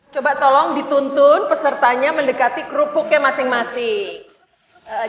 coba tolong dituntun pesertanya mendekati crew poke masing masing